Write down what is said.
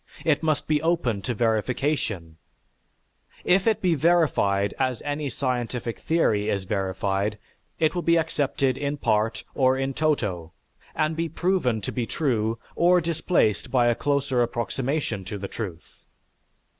It must be open to verification; if it be verified as any scientific theory is verified, it will be accepted in part, or in toto, and be proven to be true or displaced by a closer approximation to the truth.